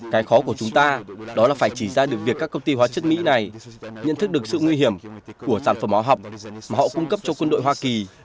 cái khó của chúng ta đó là phải chỉ ra được việc các công ty hóa chất mỹ này nhận thức được sự nguy hiểm của sản phẩm hóa học mà họ cung cấp cho quân đội hoa kỳ